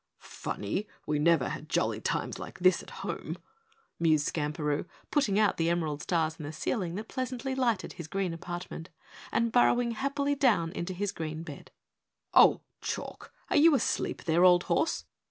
"Funny we never had jolly times like this at home," mused Skamperoo, putting out the emerald stars in the ceiling that pleasantly lighted his green apartment, and burrowing happily down into his splendid green bed. "Oh, Chalk! Are you asleep there, old horse?"